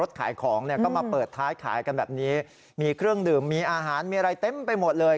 ขายของเนี่ยก็มาเปิดท้ายขายกันแบบนี้มีเครื่องดื่มมีอาหารมีอะไรเต็มไปหมดเลย